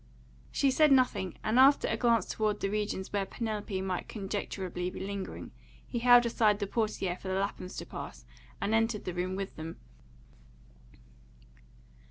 She said nothing, and after a glance toward the regions where Penelope might conjecturably be lingering, he held aside the portiere for the Laphams to pass, and entered the room with them.